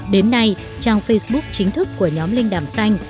đến nay trang facebook chính thức của nhóm linh đàm xanh